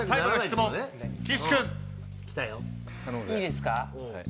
いいですか？